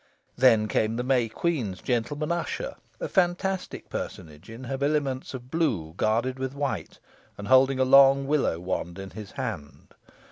Then came the May Queen's gentleman usher, a fantastic personage in habiliments of blue guarded with white, and holding a long willow wand in his hand.